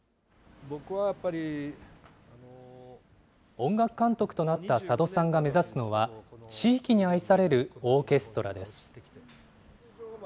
音楽監督となった佐渡さんが目指すのは、地域に愛されるオーケストラです。